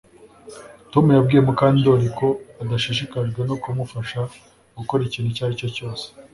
Tom yabwiye Mukandoli ko adashishikajwe no kumufasha gukora ikintu icyo ari cyo cyose